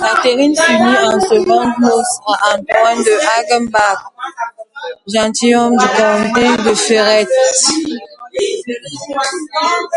Catherine s'unit en secondes noces à Antoine de Hagenbach, gentilhomme du comté de Ferrette.